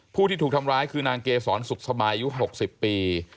ผู้ที่ถูกทำร้ายคือนางเกษรสุขสมายุ๖๐ปี